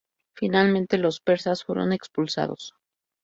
Finalmente, los persas fueron expulsados.